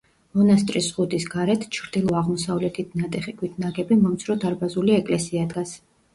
მონასტრის ზღუდის გარეთ, ჩრდილო-აღმოსავლეთით ნატეხი ქვით ნაგები მომცრო დარბაზული ეკლესია დგას.